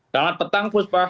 selamat petang puspa